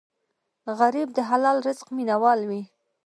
غریب د حلال رزق مینه وال وي